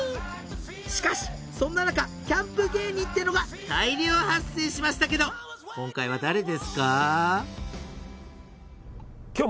しかしそんな中キャンプ芸人ってのが大量発生しましたけど今回は誰ですか？